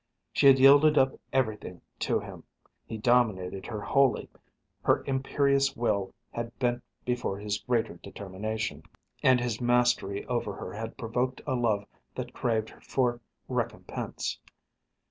She had yielded up everything to him, he dominated her wholly. Her imperious will had bent before his greater determination, and his mastery over her had provoked a love that craved for recompense.